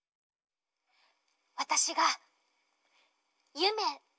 わたしがゆめです！